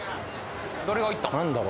誰が行ったん？